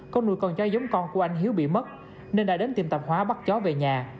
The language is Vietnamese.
con nuôi con chó giống con của anh hiếu bị mất nên đã đến tiệm tạm hóa bắt chó về nhà